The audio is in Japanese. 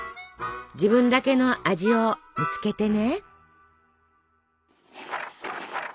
自分だけの味を見つけてね。